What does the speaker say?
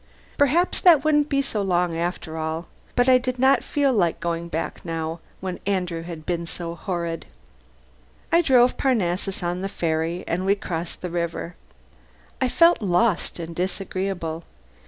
Perhaps that wouldn't be so long after all: but I did not feel like going back now, when Andrew had been so horrid. I drove Parnassus on the ferry, and we crossed the river. I felt lost and disagreeable.